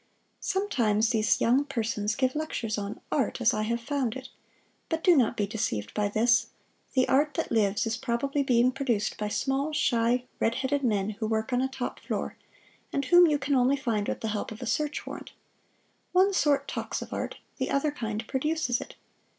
Sometimes these young persons give lectures on "Art as I Have Found It"; but do not be deceived by this the art that lives is probably being produced by small, shy, red headed men who work on a top floor, and whom you can only find with the help of a search warrant. One sort talks of art, the other kind produces it.